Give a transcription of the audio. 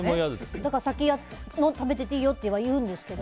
だから先に食べてていいよとは言うんですけど。